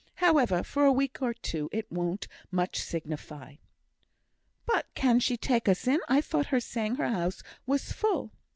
However, for a week or two it won't much signify." "But can she take us in, sir? I thought I heard her saying her house was full."